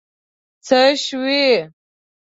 څه شوي.